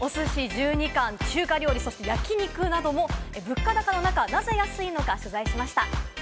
おすし１２貫、中華料理、そして焼き肉なども、物価高の中、なぜ安いのか取材しました。